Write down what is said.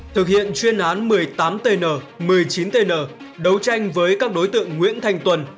thực hiện chuyên án một mươi tám tn một mươi chín tn đấu tranh với các đối tượng nguyễn thanh tuân